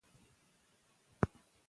تولستوی د خپل وخت تر ټولو لوی فیلسوف هم و.